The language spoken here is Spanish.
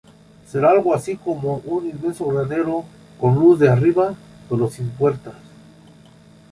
Será algo así como un inmenso granero, con luz de arriba, pero sin puertas.